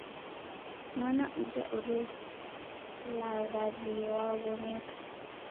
Mwana uja orelagharieghe waw'oneka.